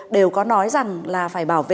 đều có nói rằng là phải bảo vệ